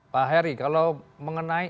pak heri kalau mengenai